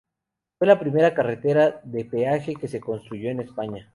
Fue la primera carretera de peaje que se construyó en España.